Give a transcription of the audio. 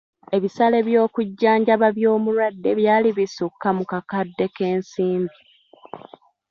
Ebisale by'okujanjaba by'omulwadde byali bisukka mu kakadde k'ensimbi.